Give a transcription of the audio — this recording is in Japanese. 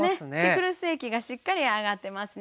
ピクルス液がしっかり上がってますね。